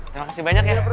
terima kasih banyak ya